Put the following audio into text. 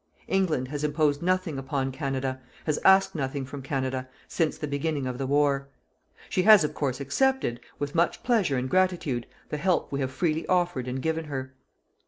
England has imposed nothing upon Canada, has asked nothing from Canada, since the beginning of the war. She has, of course, accepted, with much pleasure and gratitude, the help we have freely offered and given her.